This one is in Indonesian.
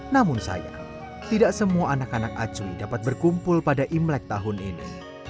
namun sayang tidak semua anak anak acuy dapat berkumpul pada imlek tahun ini